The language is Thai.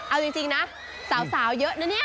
เอาจริงนะสาวเยอะนะเนี่ย